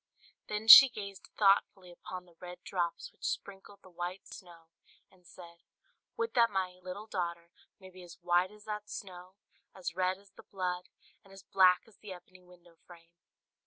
Then she gazed thoughtfully upon the red drops which sprinkled the white snow, and said, "Would that my little daughter may be as white as that snow, as red as the blood, and as black as the ebony window frame!"